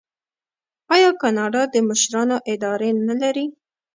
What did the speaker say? آیا کاناډا د مشرانو اداره نلري؟